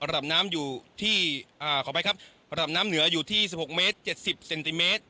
ระดับน้ำอยู่ที่อ่าขอไปครับระดับน้ำเหนืออยู่ที่สิบหกเมตรเจ็ดสิบเซนติเมตร